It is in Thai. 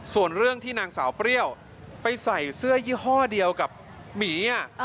ส่วนเรื่องที่นางสาวเปรี้ยวไปใส่เสื้อยี่ห้อเดียวกับหมี